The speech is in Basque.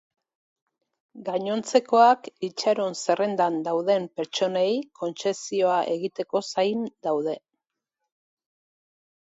Gainontzekoak itxaron-zerrendan dauden pertsonei kontsezioa egiteko zain daude.